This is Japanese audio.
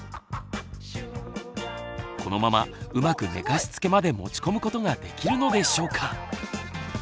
このままうまく寝かしつけまで持ち込むことができるのでしょうか？